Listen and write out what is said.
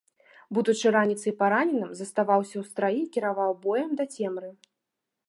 Будучы раніцай параненым, заставаўся ў страі і кіраваў боем да цемры.